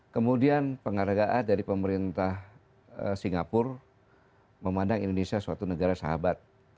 kemudian penghargaan dari pemerintah singapura memandang indonesia suatu negara sahabat